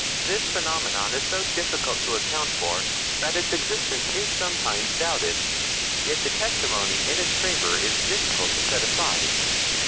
This phenomenon is so difficult to account for that its existence is sometimes doubted; yet the testimony in its favor is difficult to set aside.